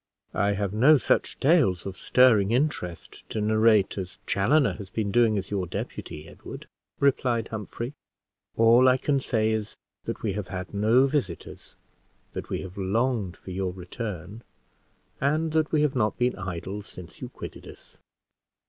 "I have no such tales of stirring interest to narrate as Chaloner has been doing as your deputy, Edward," replied Humphrey. "All I can say is, that we have had no visitors that we have longed for your return and that we have not been idle since you quitted us."